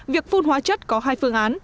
việc phun hóa chất có hai phương án